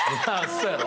そうやろ。